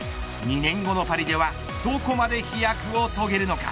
２年後のパリではどこまで飛躍を遂げるのか。